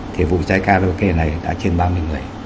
thì vụ cháy karaoke này đã trên ba mươi ngày